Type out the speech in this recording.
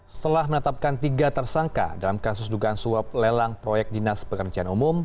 setelah menetapkan tiga tersangka dalam kasus dugaan suap lelang proyek dinas pekerjaan umum